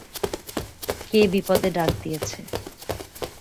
কে বিপদে ডাক দিয়েছে।